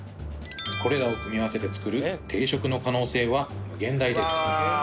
これらを組み合わせて作る定食の可能性は無限大です